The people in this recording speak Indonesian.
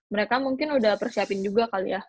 mereka mungkin udah persiapin juga kali ya